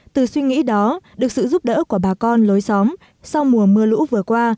từ suy nghĩ đó được sự giúp đỡ của bà con lối xóm sau mùa mưa lũ vừa qua